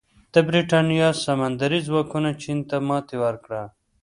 د برېټانیا سمندري ځواکونو چین ته ماتې ورکړه.